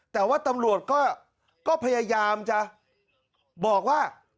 แต่ว่าตำรวจก็พยายามจะบอกว่า